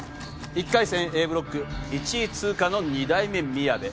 １回戦Ａブロック１位通過の二代目みやべ